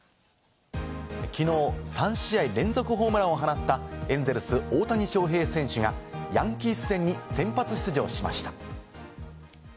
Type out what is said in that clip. きのう３試合連続ホームランを放ったエンゼルス・大谷翔平選手がヤンキース戦に先発出場しました。